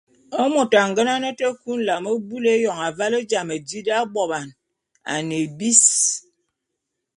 Môt a ngenane te kui nlam bulu éyôn aval jame di d’aboban, a ne ébis.